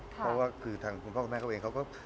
เพราะว่าคือทางคุณพ่อคุณแม่เขาเองเขาก็